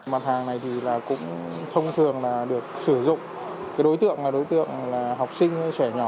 mặt hàng này cũng thông thường được sử dụng đối tượng là học sinh trẻ nhỏ